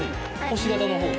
星形の方が？